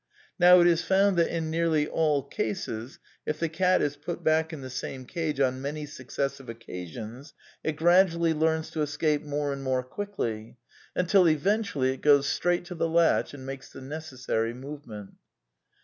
Now it is found that in nearly all cases, if the cat is put back in the same cage on many successive occasions, it gradually learns to escape more and more quickly; until eventually it goes straight to the latch and makes the necessary movement.''